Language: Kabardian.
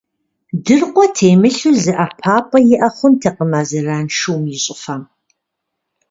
Дыркъуэ темылъу зы ӀэпапӀэ иӀэ хъунтэкъым а зэраншум и щӀыфэм.